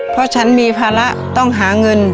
เพราะฉันมีภาระต้องหาเงิน